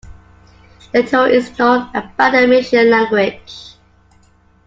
Little is known about the Mysian language.